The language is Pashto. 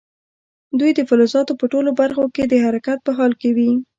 دوی د فلزاتو په ټولو برخو کې د حرکت په حال کې وي.